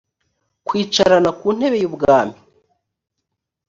kwicarana ku ntebe y’ubwami